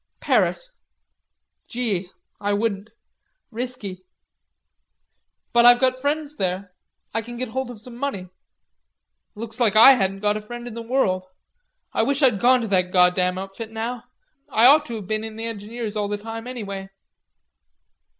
"Paris." "Gee, I wouldn't. Risky." "But I've got friends there. I can get hold of some money." "Looks like I hadn't got a friend in the world. I wish I'd gone to that goddam outfit now.... I ought to have been in the engineers all the time, anyway."